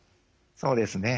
そうですね。